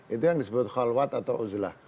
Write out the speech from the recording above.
itu yang disebut khalwat atau uzula